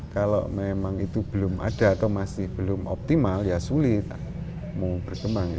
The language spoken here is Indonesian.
kalau memang itu belum ada atau masih belum optimal ya sulit mau berkembang